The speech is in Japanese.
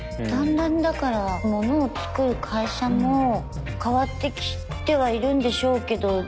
だんだんだから物を作る会社も変わってきてはいるんでしょうけど。